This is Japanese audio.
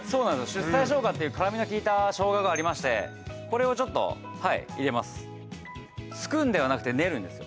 出西生姜っていう辛みのきいた生姜がありましてこれをちょっとはい入れますつくんではなくて練るんですよ